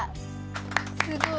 すごい。